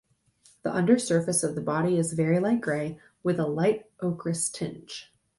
The undersurface of the body is very light grey, with a light ochreous tinge.